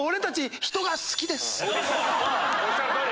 おっしゃるとおり！